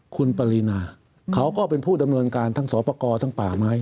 คุณปรินาเขาก็เป็นผู้ดังวัลการณ์ทั้งสวปกรทั้งป่าไม้